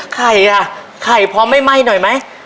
ไข่อ่ะไข่พร้อมไหมไหม้หน่อยไหม